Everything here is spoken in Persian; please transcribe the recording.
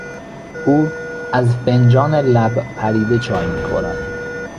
او از فنجان لب پریده چای میخورد.